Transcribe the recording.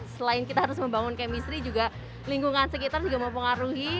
selain kita harus membangun chemistry juga lingkungan sekitar juga mempengaruhi